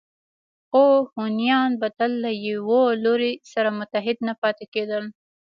خو هونیان به تل له یوه لوري سره متحد نه پاتې کېدل